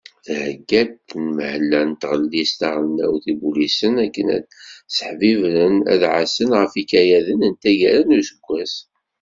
Thegga-d tenmehla n tɣellist taɣelnawt ibulisen akken ad sseḥbibren, ad ɛassen ɣef yikayaden n taggara n useggas.